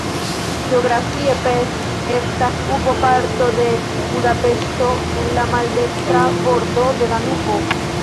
Geografie Pest estas urboparto de Budapeŝto en la maldekstra bordo de Danubo.